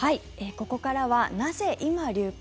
ここからは、なぜ今流行？